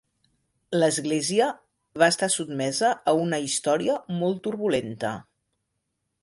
L'església va estar sotmesa a una història molt turbulenta.